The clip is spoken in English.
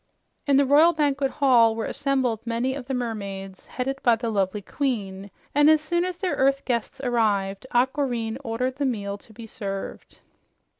In the royal banquet hall were assembled many of the mermaids, headed by the lovely queen, and as soon as their earth guests arrived, Aquareine ordered the meal to be served.